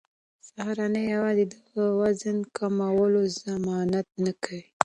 سهارنۍ یوازې د وزن کمولو ضمانت نه کوي.